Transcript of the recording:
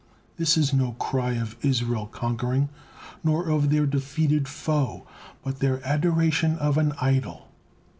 This is no cry of Israel conquering, nor of their defeated foe, but their adoration of an idol."